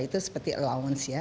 itu seperti allowance ya